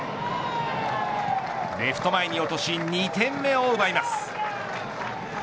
レフト前に落とし２点目を奪います。